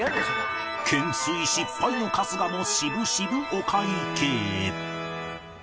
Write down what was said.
懸垂失敗の春日も渋々お会計。